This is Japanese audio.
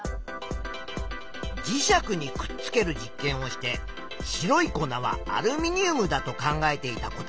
磁石にくっつける実験をして白い粉はアルミニウムだと考えていた子たち。